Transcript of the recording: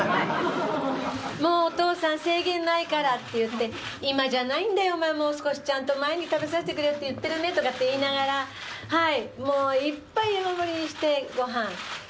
もう、お父さん制限ないからって言って、今じゃないんだよ、お前、もう少しちゃんと前に食べさせてくれよって言ってるねとかって言いながら、はい、もう、いっぱい山盛りにして、ごはん。